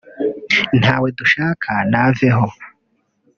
ntawe dushaka naveho’